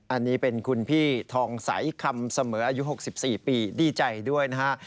อันนี้เป็นคุณพี่ทองใสคำเสมออายุ๖๔ปีดีใจด้วยนะฮะ